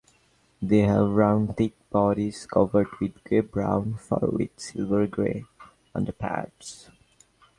They have round thick bodies covered with grey-brown fur with silver grey underparts.